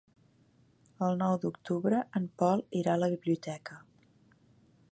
El nou d'octubre en Pol irà a la biblioteca.